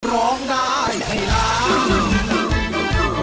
ร้องได้ให้ร้อง